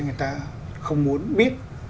người ta không muốn biết